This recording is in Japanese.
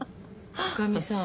おかみさん。